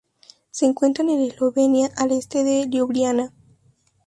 Se encuentran en Eslovenia al este de Liubliana.